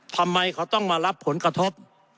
ทำไมเขาต้องมารับผลกระทบ